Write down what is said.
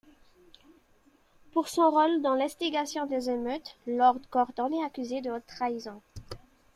Pour son rôle dans l'instigation des émeutes, Lord Gordon est accusé de haute trahison.